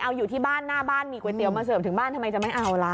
เอาอยู่ที่บ้านหน้าบ้านมีก๋วยเตี๋ยมาเสิร์ฟถึงบ้านทำไมจะไม่เอาล่ะ